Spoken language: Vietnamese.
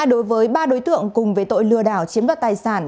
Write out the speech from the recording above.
đối với ba đối tượng cùng về tội lừa đảo chiếm đoạt tài sản